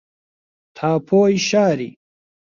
تاپۆی شاری